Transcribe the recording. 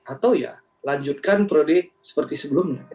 atau ya lanjutkan prode seperti sebelumnya